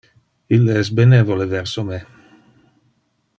Ille es benevole verso me.